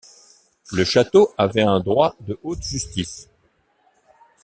Le château avait un droit de haute justice.